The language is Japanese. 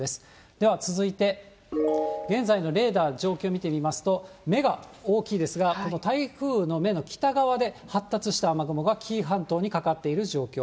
では、続いて現在のレーダー、状況を見てみますと、目が大きいですが、台風の目の北側で発達した雨雲が紀伊半島にかかっている状況。